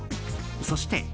そして。